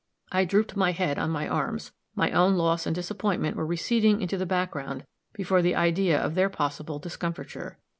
I drooped my head on my arms; my own loss and disappointment were receding into the background before the idea of their possible discomfiture.